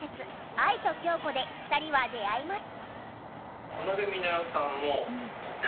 愛と響子』で２人は出会います。